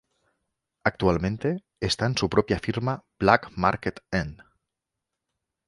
Actualmente esta en su propia firma Black Market Ent.